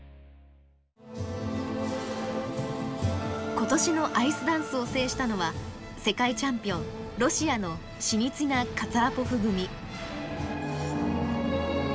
今年のアイスダンスを制したのは世界チャンピオンロシアのシニツィナカツァラポフ組。